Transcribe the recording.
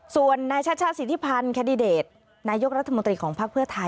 ส่วนชาติชาศิษภัณฑ์แคดดิเดจนายกรรธมตรีของภาคเพื่อไทย